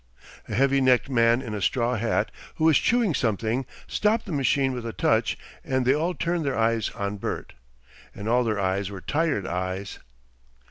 A heavy necked man in a straw hat, who was chewing something, stopped the machine with a touch, and they all turned their eyes on Bert. And all their eyes were tired eyes.